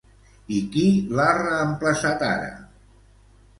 I qui l'ha reemplaçat ara?